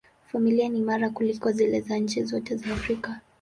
Familia ni imara kuliko zile za nchi zote za Afrika.